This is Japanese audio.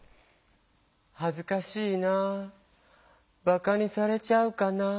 「はずかしいなぁバカにされちゃうかなぁ」。